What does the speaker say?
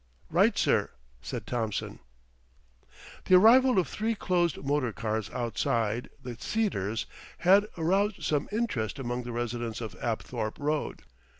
"Right, sir," said Thompson. The arrival of three closed motor cars outside "The Cedars" had aroused some interest among the residents of Apthorpe Road.